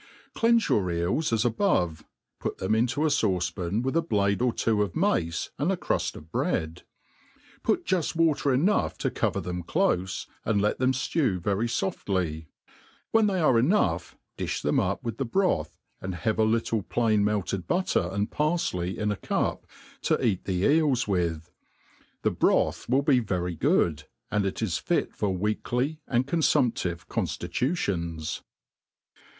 CLEANSE your eels as above, put them into a faute pan with a blade or two of mace and a cruft of bread. Put juft water enough to cover them clofe^ and let them ftew very foft ]y ; when they are enough, difli them up with the broth, and have a little plain melted butter and parfley in a cup to eat tbf eels with, 't'he broth will be very good, atnd it is fit for weakly and confumptive coaflitutiona^ F MADE PLAIN AND EASY.